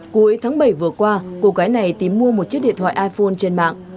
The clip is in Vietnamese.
cuối tháng bảy vừa qua cô gái này tìm mua một chiếc điện thoại iphone trên mạng